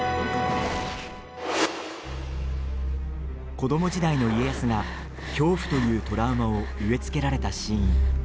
子ども時代の家康が恐怖というトラウマを植え付けられたシーン。